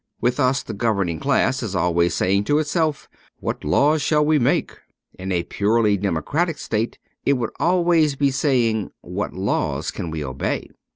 With us the governing class is always saying to itself, * What laws shall we make ?' In a purely democratic state it would be always saying, * What laws can we obey